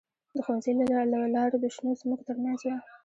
د ښوونځي لاره د شنو ځمکو ترمنځ وه